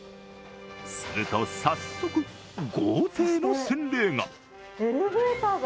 すると早速、豪邸の洗礼が。